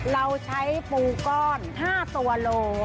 เราใช้ปูก้อน๕ตัวโล